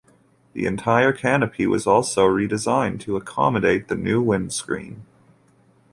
The entire canopy was also redesigned to accommodate the new windscreen.